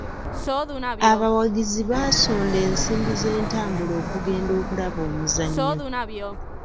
Abawagizi baasonda ensimbi z'entambula okugenda okulaba omuzannyo.